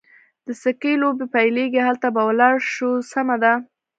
د سکې لوبې پیلېږي، هلته به ولاړ شو، سمه ده.